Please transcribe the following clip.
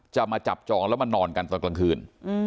มาจับจองแล้วมานอนกันตอนกลางคืน